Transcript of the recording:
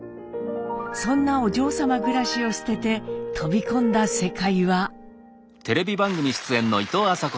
そんなお嬢様暮らしを捨てて飛び込んだ世界は。